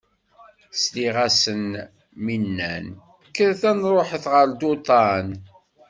Sliɣ-asen mi nnan: Kkret aad nṛuḥet ɣer Duṭan.